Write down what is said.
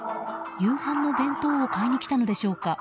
夕飯の弁当を買いに来たのでしょうか。